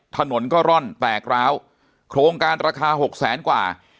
ถนนก็ร่อนแตกร้าวโครงการราคาหกแสนกว่า